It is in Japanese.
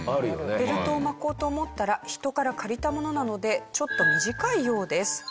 ベルトを巻こうと思ったら人から借りたものなのでちょっと短いようです。